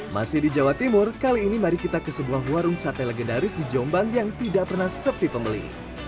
masih di jawa timur kali ini mari kita ke sebuah warung sate legendaris di jombang yang tidak pernah sepi pembeli